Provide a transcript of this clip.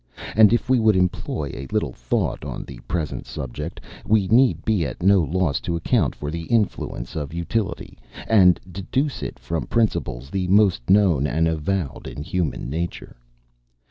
And if we would employ a little thought on the present subject, we need be at no loss to account for the influence of utility, and deduce it from principles the most known and avowed in human nature....